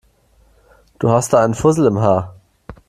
Du hast da einen Fussel im Haar.